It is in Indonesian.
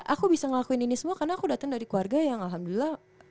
aku bisa ngelakuin ini semua karena aku datang dari keluarga yang alhamdulillah